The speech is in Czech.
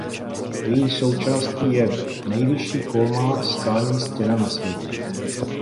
Její součástí je nejvyšší kolmá skalní stěna na světě.